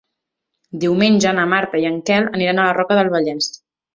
Diumenge na Marta i en Quel aniran a la Roca del Vallès.